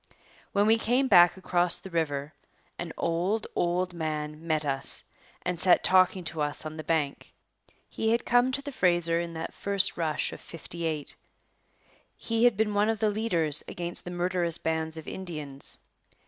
When we came back across the river an old, old man met us and sat talking to us on the bank. He had come to the Fraser in that first rush of '58. He had been one of the leaders against the murderous bands of Indians.